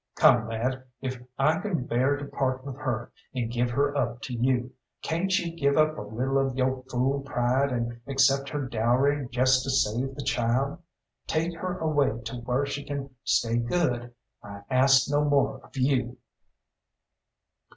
Come, lad, if I can bear to part with her, and give her up to you, cayn't you give up a little of yo' fool pride and accept her dowry jest to save the child? Take her away to whar she can stay good I ask no more of you."